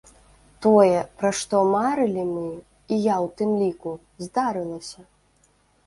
Тое, пра што марылі мы, і я ў тым ліку, здарылася!